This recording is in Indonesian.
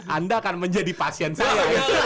anda akan menjadi pasien saya